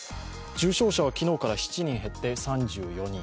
重症者は昨日から７人減って３４人。